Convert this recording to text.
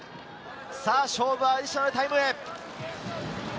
勝負はアディショナルタイムへ。